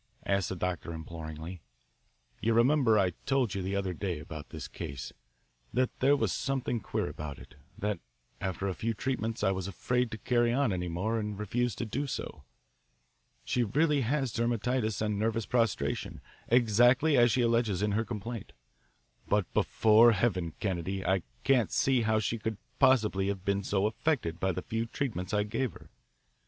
asked the doctor imploringly. "You remember I told you the other day about this case that there was something queer about it, that after a few treatments I was afraid to carry on any more and refused to do so? She really has dermatitis and nervous prostration, exactly as she alleges in her complaint. But, before Heaven, Kennedy, I can't see how she could possibly have been so affected by the few treatments I gave her.